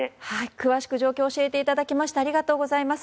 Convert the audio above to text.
詳しく状況を教えていただきましてありがとうございます。